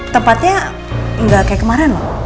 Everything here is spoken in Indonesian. tempatnya nggak kayak kemarin bang